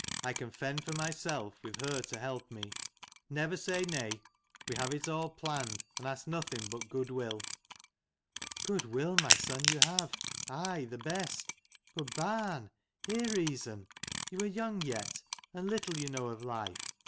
"I can fend for myself, with her to help me. Never say nay : we have it all planned, and ask nothing but good will." " Good will, my son you have: aye, the best. But, barn, hear reason. You are young yet, and little you know of life.